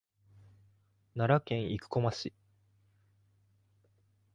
奈良県生駒市